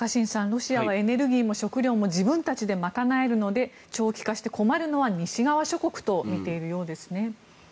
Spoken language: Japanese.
ロシアはエネルギーも食糧も自分たちで賄えるので長期化して困るのは西側諸国と見ているようですね。